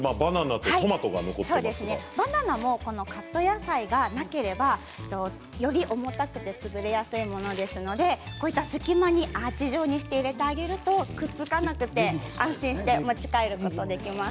バナナもカット野菜がなければより重たくて潰れやすいものですので隙間にアーチ状にして入れてあげるとくっつかなくて安心してお持ち帰りいただけます。